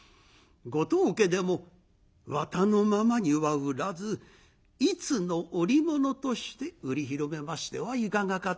ご当家でも綿のままには売らず一の織物として売り広めましてはいかがかと心得ます」。